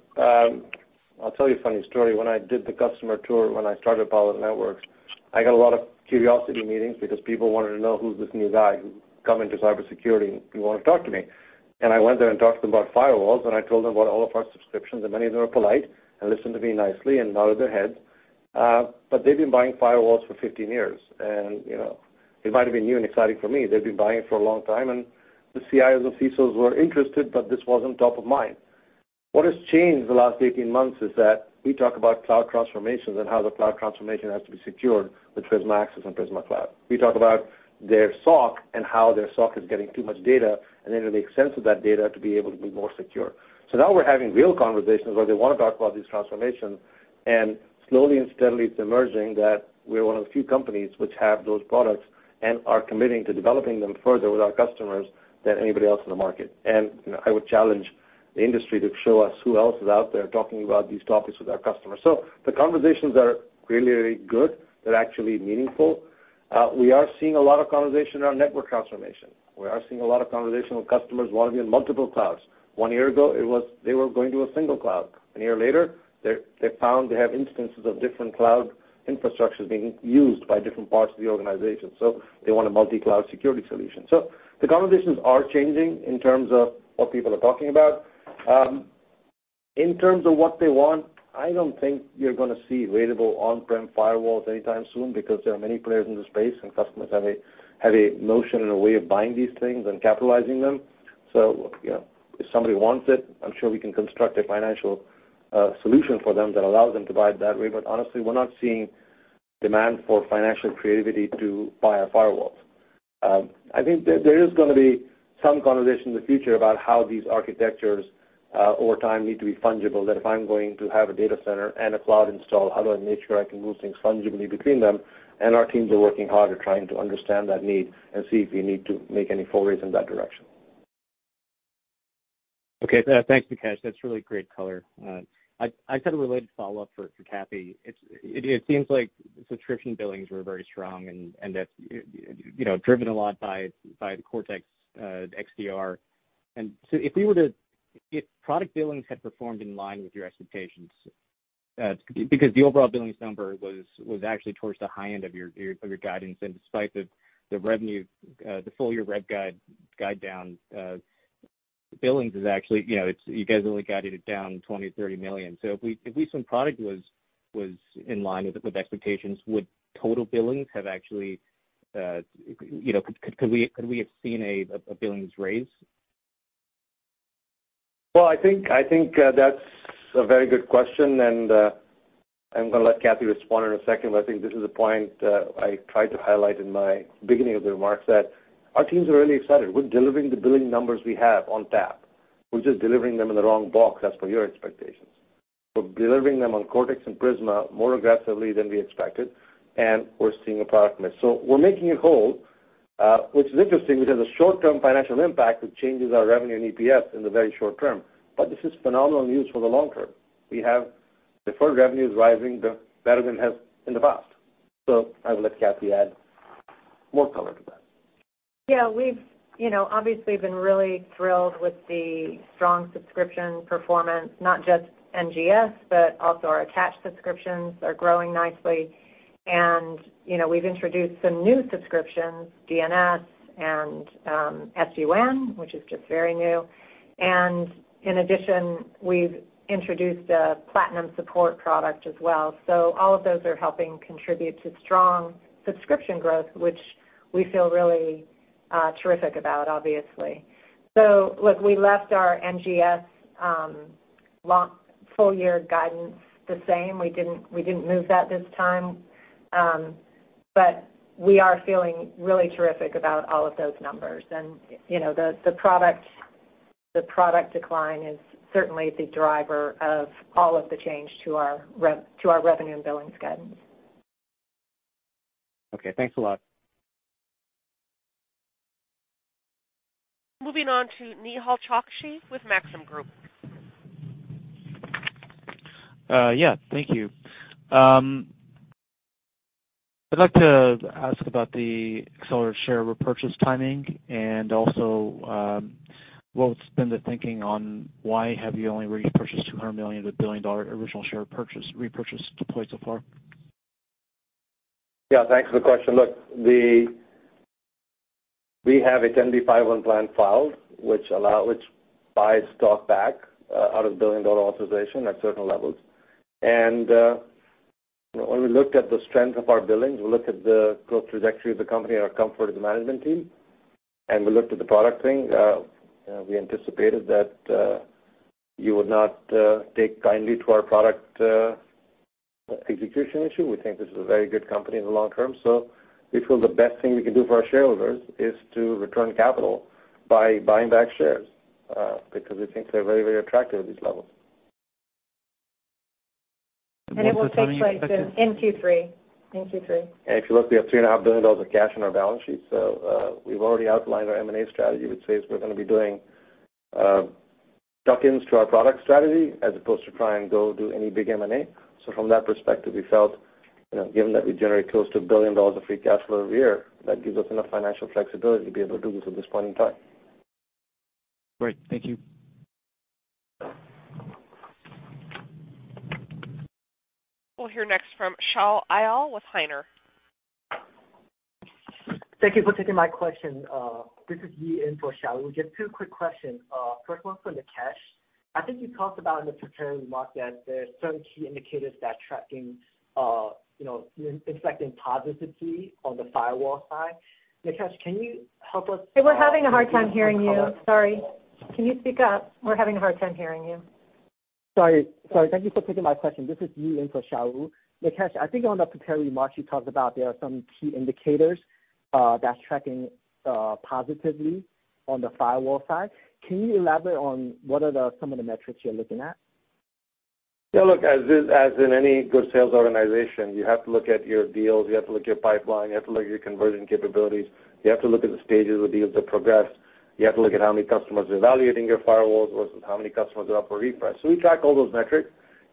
I'll tell you a funny story. When I did the customer tour when I started Palo Alto Networks, I got a lot of curiosity meetings because people wanted to know who's this new guy who come into cybersecurity, and people want to talk to me. I went there and talked to them about firewalls, and I told them about all of our subscriptions, and many of them were polite and listened to me nicely and nodded their heads. They've been buying firewalls for 15 years, It might have been new and exciting for me. They've been buying for a long time. The CIOs and CSOs were interested. This wasn't top of mind. What has changed in the last 18 months is that we talk about cloud transformations and how the cloud transformation has to be secured with Prisma Access and Prisma Cloud. We talk about their SOC and how their SOC is getting too much data, and then to make sense of that data to be able to be more secure. Now we're having real conversations where they want to talk about these transformations, and slowly and steadily, it's emerging that we're one of the few companies which have those products and are committing to developing them further with our customers than anybody else in the market. I would challenge the industry to show us who else is out there talking about these topics with our customers. The conversations are really good. They're actually meaningful. We are seeing a lot of conversation around network transformation. We are seeing a lot of conversation with customers wanting to be on multiple clouds. One year ago, they were going to a single cloud. A year later, they've found they have instances of different cloud infrastructures being used by different parts of the organization. They want a multi-cloud security solution. The conversations are changing in terms of what people are talking about. In terms of what they want, I don't think you're going to see ratable on-prem firewalls anytime soon because there are many players in the space, and customers have a notion and a way of buying these things and capitalizing them. If somebody wants it, I'm sure we can construct a financial solution for them that allows them to buy it that way. Honestly, we're not seeing demand for financial creativity to buy our firewalls. I think there is going to be some conversation in the future about how these architectures, over time, need to be fungible, that if I'm going to have a data center and a cloud install, how do I make sure I can move things fungibly between them? Our teams are working hard at trying to understand that need and see if we need to make any forays in that direction. Okay. Thanks, Nikesh. That's really great color. I just had a related follow-up for Kathy. It seems like subscription billings were very strong, and that's driven a lot by the Cortex XDR. If product billings had performed in line with your expectations, because the overall billings number was actually towards the high end of your guidance, and despite the full-year rev guide down, you guys only guided it down $20 million-$30 million. If at least some product was in line with expectations, could we have seen a billings raise? I think that's a very good question, and I'm going to let Kathy respond in a second. I think this is a point I tried to highlight in my beginning of the remarks that our teams are really excited. We're delivering the billing numbers we have on tap. We're just delivering them in the wrong box, as per your expectations. We're delivering them on Cortex and Prisma more aggressively than we expected, and we're seeing a product miss. We're making it whole, which is interesting. It has a short-term financial impact that changes our revenue and EPS in the very short term, but this is phenomenal news for the long term. We have deferred revenues rising better than has in the past. I will let Kathy add more color to that. Yeah. We've obviously been really thrilled with the strong subscription performance, not just NGS, but also our attached subscriptions are growing nicely. We've introduced some new subscriptions, DNS and SD-WAN, which is just very new. In addition, we've introduced a Platinum Support product as well. All of those are helping contribute to strong subscription growth, which we feel really terrific about, obviously. Look, we left our NGS full-year guidance the same. We didn't move that this time. We are feeling really terrific about all of those numbers. The product decline is certainly the driver of all of the change to our revenue and billings guidance. Okay, thanks a lot. Moving on to Nehal Chokshi with Maxim Group. Yeah, thank you. I'd like to ask about the accelerated share repurchase timing, and also, what's been the thinking on why have you only repurchased $200 million of the billion-dollar original share repurchase deployed so far? Thanks for the question. Look, we have a 10b5-1 plan filed, which buys stock back out of the billion-dollar authorization at certain levels. When we looked at the strength of our billings, we looked at the growth trajectory of the company and our comfort as a management team, and we looked at the product thing, we anticipated that you would not take kindly to our product execution issue. We think this is a very good company in the long term. We feel the best thing we can do for our shareholders is to return capital by buying back shares because we think they're very attractive at these levels. What's the timing expected? It will take place in Q3. If you look, we have $3.5 billion of cash on our balance sheet. We've already outlined our M&A strategy, which says we're going to be doing tuck-ins to our product strategy as opposed to try and go do any big M&A. From that perspective, we felt, given that we generate close to $1 billion of free cash flow every year, that gives us enough financial flexibility to be able to do this at this point in time. Great. Thank you. We'll hear next from Shaul Eyal with Oppenheimer. Thank you for taking my question. This is Yi for Shaul. Just two quick questions. First one for Nikesh. I think you talked about in the prepared remarks that there are some key indicators that tracking, you know, reflecting positively on the firewall side. Nikesh, can you help us- We're having a hard time hearing you. Sorry. Can you speak up? We're having a hard time hearing you. Sorry. Thank you for taking my question. This is Yi for Shaul. Nikesh, I think on the prepared remarks, you talked about there are some key indicators, that's tracking, positively on the firewall side. Can you elaborate on what are some of the metrics you're looking at? Yeah, look, as in any good sales organization, you have to look at your deals, you have to look at your pipeline, you have to look at your conversion capabilities. You have to look at the stages of deals that progress. You have to look at how many customers are evaluating your firewalls versus how many customers are up for refresh. We track all those metrics,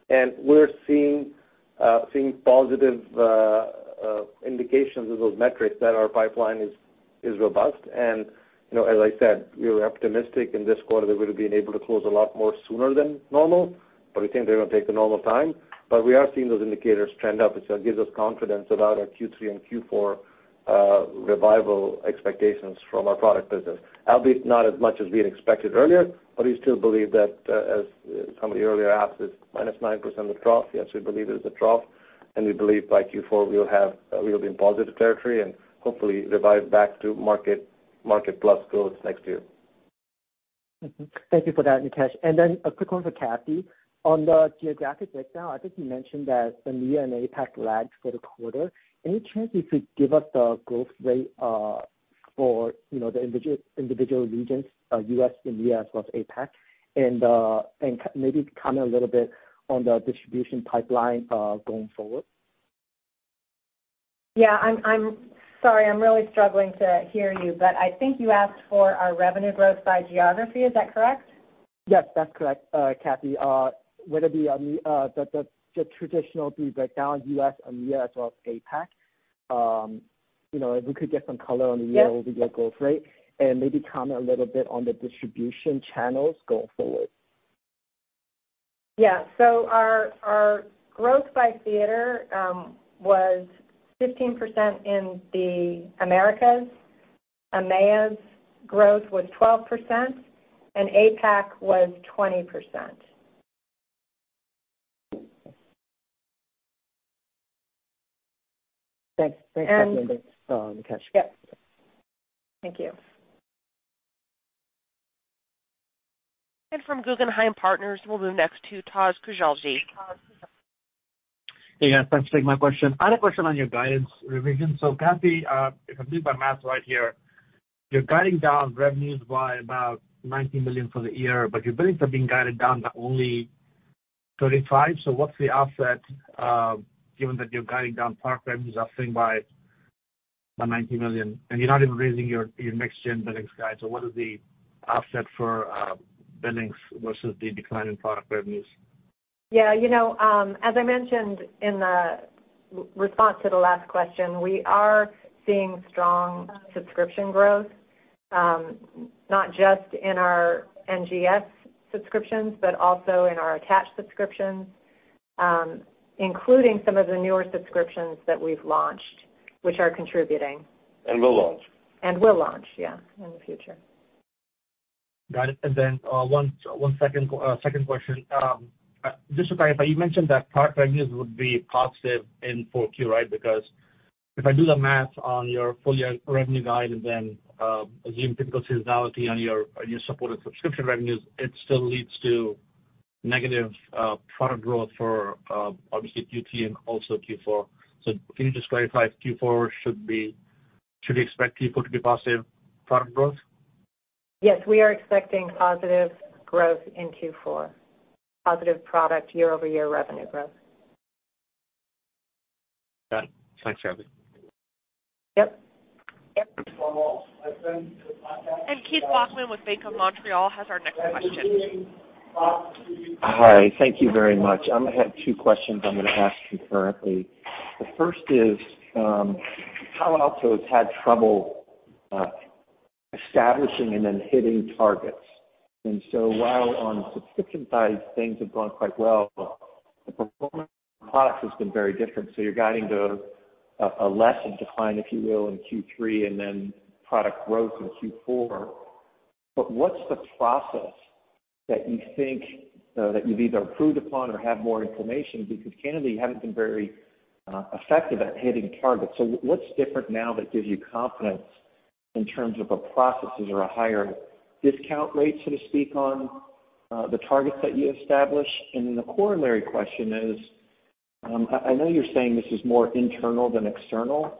and we're seeing positive indications of those metrics that our pipeline is robust. As I said, we were optimistic in this quarter that we would've been able to close a lot more sooner than normal, but we think they're going to take the normal time. We are seeing those indicators trend up, which gives us confidence about our Q3 and Q4 revival expectations from our product business. Albeit not as much as we had expected earlier, but we still believe that, as somebody earlier asked, it's -9% of trough. Yes, we believe it is a trough. We believe by Q4 we'll be in positive territory and hopefully revive back to market plus growth next year. Mm-hmm. Thank you for that, Nikesh. Then a quick one for Kathy. On the geographic breakdown, I think you mentioned that the EMEA and APAC lagged for the quarter. Any chance you could give us the growth rate, for the individual regions, U.S., EMEA as well as APAC, and maybe comment a little bit on the distribution pipeline, going forward? Yeah, I'm sorry. I'm really struggling to hear you, but I think you asked for our revenue growth by geography, is that correct? Yes, that's correct, Kathy. Whether be the traditional breakdown, U.S., EMEA as well as APAC, if we could get some color on the year-over-year growth rate and maybe comment a little bit on the distribution channels going forward. Our growth by theater was 15% in the Americas. EMEA's growth was 12%, and APAC was 20%. Thanks. Thanks, Kathy and Nikesh. Yep. Thank you. From Guggenheim Partners, we'll move next to Taj Khoja. Hey, guys. Thanks for taking my question. I had a question on your guidance revision. Kathy, if I did my math right here, you're guiding down revenues by about $19 million for the year, but your billings are being guided down by only $35 million. What's the offset, given that you're guiding down product revenues, I think, by $19 million, and you're not even raising your next gen billings guide. What is the offset for billings versus the decline in product revenues? As I mentioned in the response to the last question, we are seeing strong subscription growth, not just in our NGS subscriptions, but also in our attached subscriptions, including some of the newer subscriptions that we've launched, which are contributing. Will launch. Will launch, yeah, in the future. Got it. Then, one second question. Just to clarify, you mentioned that product revenues would be positive in 4Q, right? If I do the math on your full-year revenue guide and then assume typical seasonality on your supported subscription revenues, it still leads to negative product growth for, obviously, Q3 and also Q4. Can you just clarify, should we expect Q4 to be positive product growth? Yes, we are expecting positive growth in Q4. Positive product year-over-year revenue growth. Got it. Thanks for having me. Yep. Keith Bachman with Bank of Montreal has our next question. Hi. Thank you very much. I have two questions I'm going to ask concurrently. The first is, Palo Alto's had trouble establishing and then hitting targets. While on subscription side things have gone quite well, the performance of the products has been very different. You're guiding to a lesser decline, if you will, in Q3 and then product growth in Q4. What's the process that you think that you've either improved upon or have more information? Because candidly, you haven't been very effective at hitting targets. What's different now that gives you confidence in terms of a processes or a higher discount rate, so to speak, on the targets that you establish? The corollary question is, I know you're saying this is more internal than external,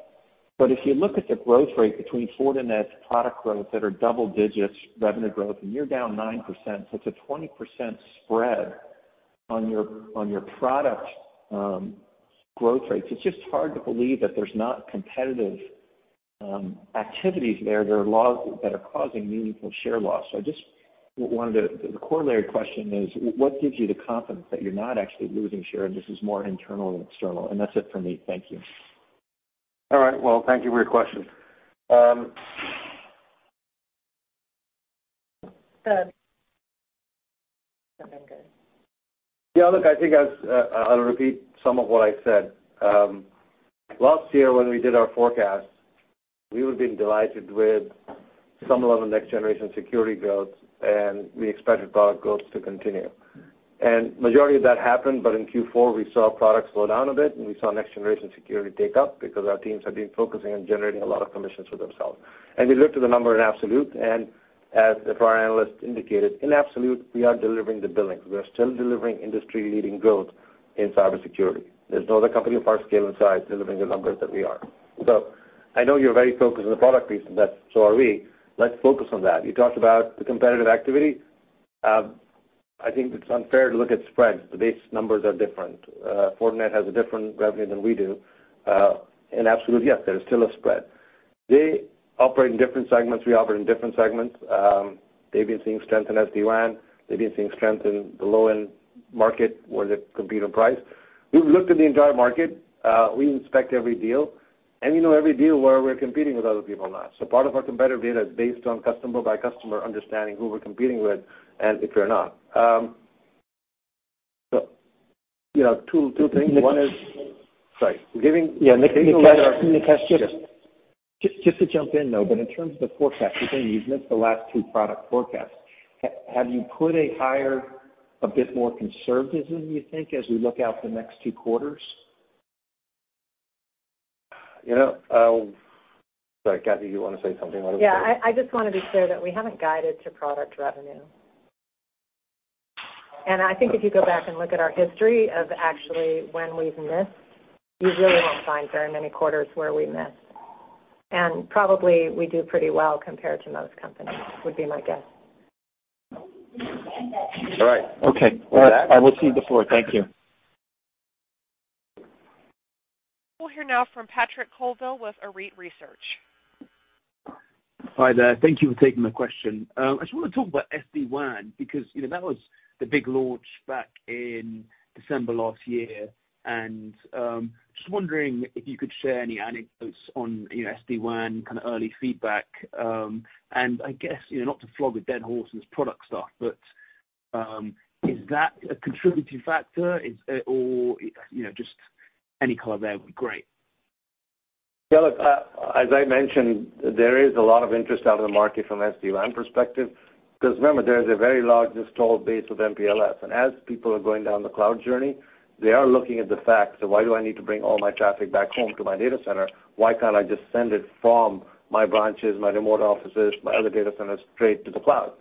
but if you look at the growth rate between Fortinet's product growth that are double digits revenue growth, you're down 9%, so it's a 20% spread on your product growth rates. It's just hard to believe that there's not competitive activities there that are causing meaningful share loss. The corollary question is what gives you the confidence that you're not actually losing share and this is more internal than external? That's it for me. Thank you. All right, well, thank you for your question. Good. Okay, good. Yeah, look, I think I'll repeat some of what I said. Last year when we did our forecast, we would've been delighted with some level of next-generation security growth, we expected product growth to continue. Majority of that happened, but in Q4, we saw products slow down a bit, and we saw next-generation security take up because our teams had been focusing on generating a lot of commissions for themselves. We looked at the number in absolute, and as far our analysts indicated, in absolute, we are delivering the billings. We are still delivering industry-leading growth in cybersecurity. There's no other company of our scale and size delivering the numbers that we are. I know you're very focused on the product piece, and so are we. Let's focus on that. You talked about the competitive activity. I think it's unfair to look at spreads. The base numbers are different. Fortinet has a different revenue than we do. In absolute, yes, there is still a spread. They operate in different segments, we operate in different segments. They've been seeing strength in SD-WAN. They've been seeing strength in the low-end market, where they compete on price. We've looked at the entire market. We inspect every deal, and we know every deal where we're competing with other people now. Part of our competitive data is based on customer by customer, understanding who we're competing with and if we're not. Two things. Nikesh. Sorry. Yeah, Nikesh. Based on what our- Nikesh. Yes. Just to jump in, though, in terms of the forecast, because you've missed the last two product forecasts, have you put a higher, a bit more conservatism, you think, as we look out the next two quarters? Sorry, Kathy, you want to say something on this? Yeah, I just want to be clear that we haven't guided to product revenue. I think if you go back and look at our history of actually when we've missed, you really won't find very many quarters where we missed. Probably we do pretty well compared to most companies, would be my guess. All right. Okay. All right. With that- I will cede the floor. Thank you. We'll hear now from Patrick Colville with Arete Research. Hi there. Thank you for taking my question. I just want to talk about SD-WAN because that was the big launch back in December last year. Just wondering if you could share any anecdotes on SD-WAN, early feedback? I guess, not to flog a dead horse on this product stuff, but, is that a contributing factor? Just any color there would be great. As I mentioned, there is a lot of interest out in the market from SD-WAN perspective, because remember, there is a very large installed base with MPLS. As people are going down the cloud journey, they are looking at the fact that, why do I need to bring all my traffic back home to my data center? Why can't I just send it from my branches, my remote offices, my other data centers, straight to the cloud?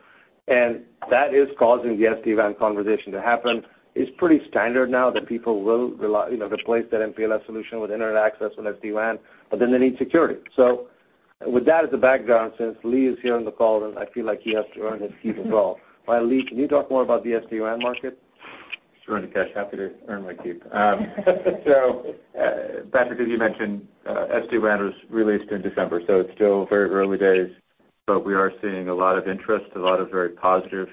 That is causing the SD-WAN conversation to happen. It's pretty standard now that people will replace that MPLS solution with internet access with SD-WAN. Then they need security. With that as a background, since Lee is here on the call, then I feel like he has to earn his keep as well. Lee, can you talk more about the SD-WAN market? Sure, Nikesh, happy to earn my keep. Patrick, as you mentioned, SD-WAN was released in December, it's still very early days, but we are seeing a lot of interest, a lot of very positive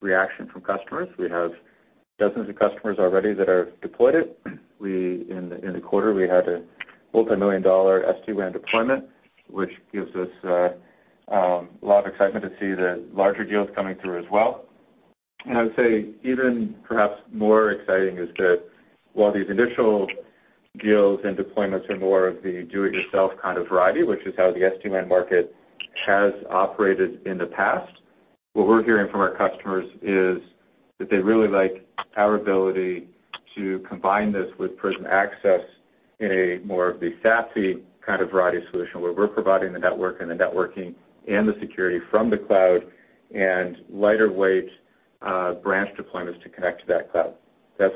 reaction from customers. We have dozens of customers already that have deployed it. In the quarter, we had a multimillion-dollar SD-WAN deployment, which gives us a lot of excitement to see the larger deals coming through as well. I would say even perhaps more exciting is that while these initial deals and deployments are more of the do-it-yourself kind of variety, which is how the SD-WAN market has operated in the past, what we're hearing from our customers is that they really like our ability to combine this with Prisma Access in a more of the SASE kind of variety solution, where we're providing the network and the networking and the security from the cloud, and lighter weight branch deployments to connect to that cloud. That's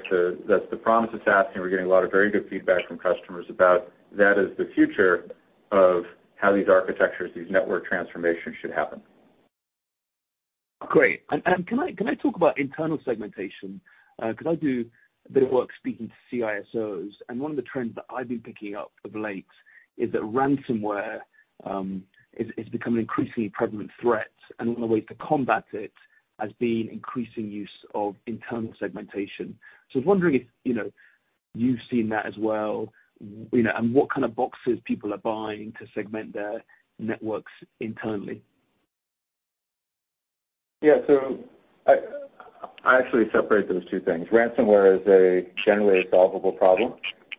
the promise of SASE, we're getting a lot of very good feedback from customers about that is the future of how these architectures, these network transformations should happen. Great. Can I talk about internal segmentation? I do a bit of work speaking to CISOs, and one of the trends that I've been picking up of late is that ransomware is becoming an increasingly prevalent threat, and one of the ways to combat it has been increasing use of internal segmentation. I was wondering if you've seen that as well, and what kind of boxes people are buying to segment their networks internally. I actually separate those two things. Ransomware is a generally solvable problem,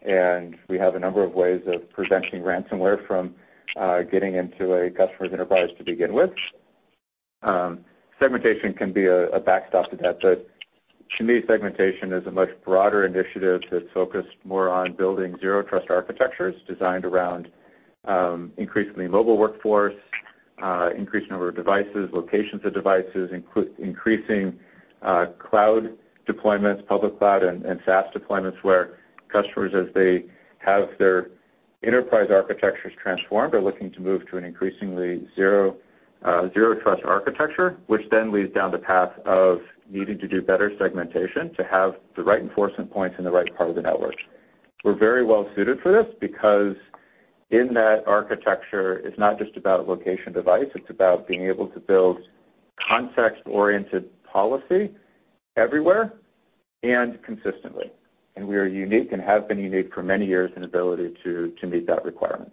and we have a number of ways of preventing ransomware from getting into a customer's enterprise to begin with. Segmentation can be a backstop to that. To me, segmentation is a much broader initiative that's focused more on building zero trust architectures designed around increasingly mobile workforce, increased number of devices, locations of devices, increasing cloud deployments, public cloud, and SaaS deployments, where customers, as they have their enterprise architectures transformed, are looking to move to an increasingly zero-trust architecture, which then leads down the path of needing to do better segmentation to have the right enforcement points in the right part of the network. We're very well suited for this because in that architecture, it's not just about location device, it's about being able to build context-oriented policy everywhere and consistently. We are unique and have been unique for many years in ability to meet that requirement.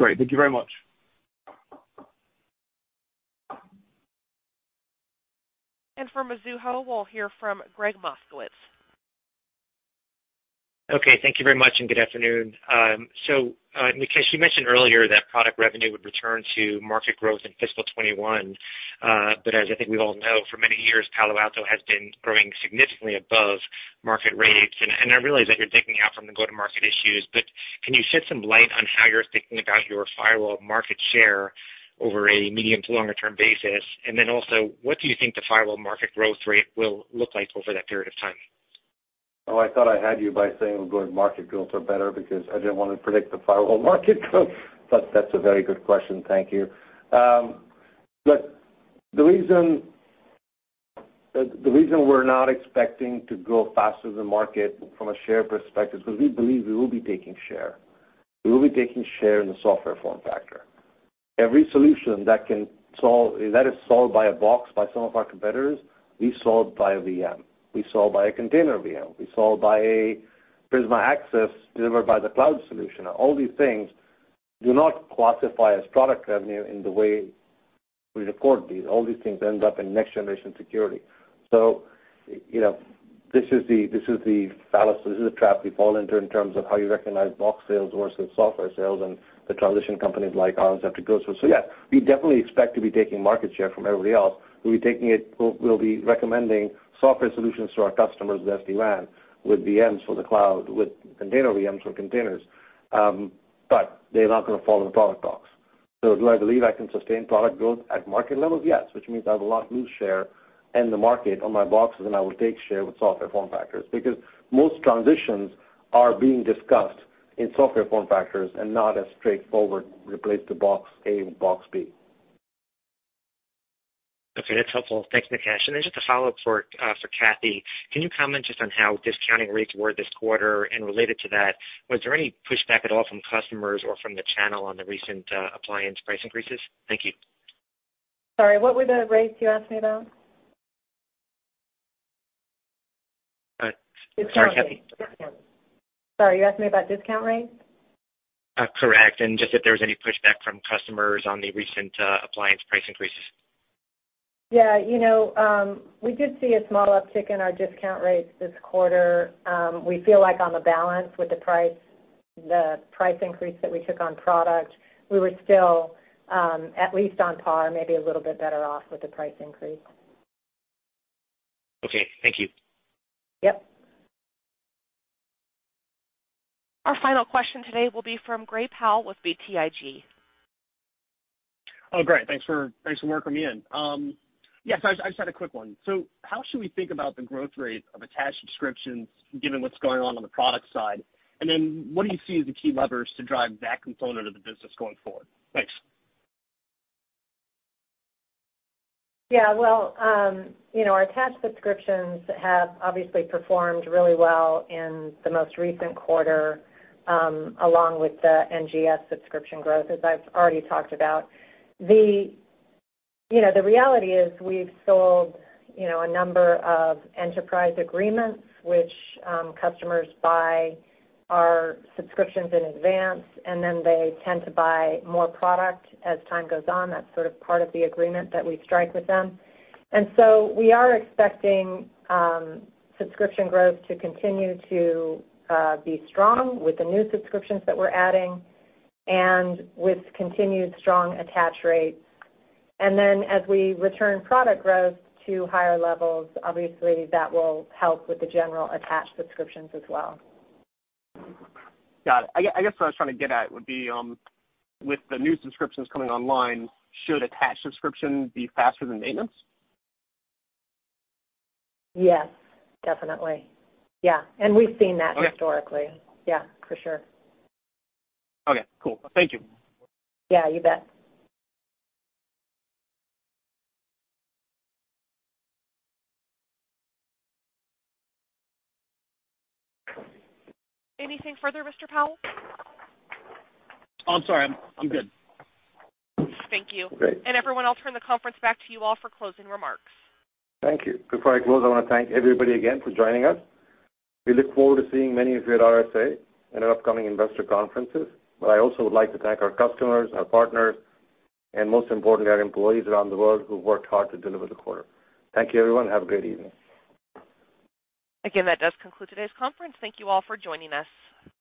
Great. Thank you very much. From Mizuho, we'll hear from Gregg Moskowitz. Okay. Thank you very much, and good afternoon. Nikesh, you mentioned earlier that product revenue would return to market growth in fiscal 2021. As I think we all know, for many years, Palo Alto has been growing significantly above market rates. I realize that you're digging out from the go-to-market issues, but can you shed some light on how you're thinking about your firewall market share over a medium to longer term basis? Also, what do you think the firewall market growth rate will look like over that period of time? Oh, I thought I had you by saying we're growing market growth or better because I didn't want to predict the firewall market growth. That's a very good question. Thank you. Look, the reason we're not expecting to grow faster than market from a share perspective is because we believe we will be taking share. We will be taking share in the software form factor. Every solution that is sold by a box by some of our competitors, we sold by a VM. We sold by a container VM. We sold by a Prisma Access delivered by the cloud solution. All these things do not classify as product revenue in the way we record these. All these things end up in Next-Generation Security. This is the fallacy, this is the trap we fall into in terms of how you recognize box sales versus software sales and the transition companies like ours have to go through. Yeah, we definitely expect to be taking market share from everybody else. We'll be recommending software solutions to our customers, SD-WAN, with VMs for the cloud, with container VMs for containers. They're not going to follow the product docs. Do I believe I can sustain product growth at market levels? Yes, which means I have a lot of new share in the market on my boxes, and I will take share with software form factors because most transitions are being discussed in software form factors and not as straightforward replace the box A with box B. Okay. That's helpful. Thanks, Nikesh. Just a follow-up for Kathy. Can you comment just on how discounting rates were this quarter? Related to that, was there any pushback at all from customers or from the channel on the recent appliance price increases? Thank you. Sorry, what were the rates you asked me about? Sorry, Kathy. Sorry, you asked me about discount rates? Correct. Just if there was any pushback from customers on the recent appliance price increases? Yeah. We did see a small uptick in our discount rates this quarter. We feel like on the balance with the price increase that we took on product, we were still at least on par, maybe a little bit better off with the price increase. Okay. Thank you. Yep. Our final question today will be from Gray Powell with BTIG. Oh, great. Thanks for welcoming me in. Yes, I just had a quick one. How should we think about the growth rate of attached subscriptions given what's going on on the product side? What do you see as the key levers to drive that component of the business going forward? Thanks. Yeah. Well, our attached subscriptions have obviously performed really well in the most recent quarter, along with the NGS subscription growth, as I've already talked about. The reality is we've sold a number of enterprise agreements, which customers buy our subscriptions in advance, and then they tend to buy more product as time goes on. That's sort of part of the agreement that we strike with them. We are expecting subscription growth to continue to be strong with the new subscriptions that we're adding and with continued strong attach rates. As we return product growth to higher levels, obviously that will help with the general attached subscriptions as well. Got it. I guess what I was trying to get at would be, with the new subscriptions coming online, should attached subscriptions be faster than maintenance? Yes, definitely. Yeah. We've seen that historically. Okay. Yeah, for sure. Okay, cool. Thank you. Yeah, you bet. Anything further, Mr. Powell? I'm sorry. I'm good. Thank you. Great. Everyone else, turn the conference back to you all for closing remarks. Thank you. Before I close, I want to thank everybody again for joining us. We look forward to seeing many of you at RSA and our upcoming investor conferences. I also would like to thank our customers, our partners, and most importantly, our employees around the world who worked hard to deliver the quarter. Thank you, everyone. Have a great evening. That does conclude today's conference. Thank you all for joining us.